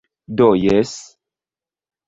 Do jes...